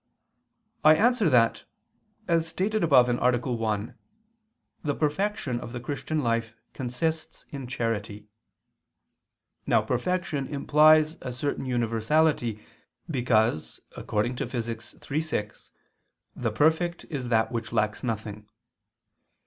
I answer that, As stated above (A. 1), the perfection of the Christian life consists in charity. Now perfection implies a certain universality because according to Phys. iii, 6, "the perfect is that which lacks nothing."